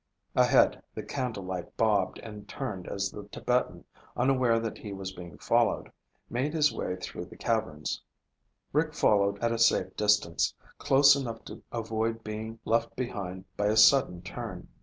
Ahead, the candlelight bobbed and turned as the Tibetan, unaware that he was being followed, made his way through the caverns. Rick followed at a safe distance, close enough to avoid being left behind by a sudden turn.